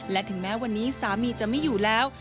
และถึงแม้วันนี้สามีจะไม่อยู่แล้ว